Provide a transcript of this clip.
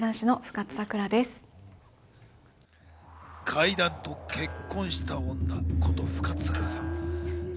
怪談と結婚した女こと、深津さくらさん。